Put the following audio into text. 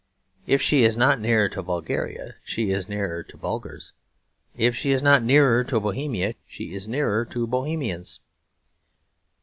If she is not nearer to Bulgaria, she is nearer to Bulgars; if she is not nearer to Bohemia, she is nearer to Bohemians.